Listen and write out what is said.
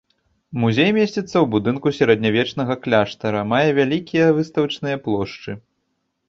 Музей месціцца ў будынку сярэднявечнага кляштара, мае вялікія выставачныя плошчы.